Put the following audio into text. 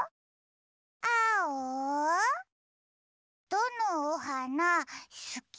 どのおはなすき？